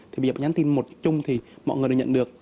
thì bây giờ bạn nhắn tin một chung thì mọi người đều nhận được